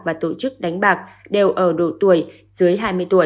và tổ chức đánh bạc đều ở độ tuổi dưới hai mươi tuổi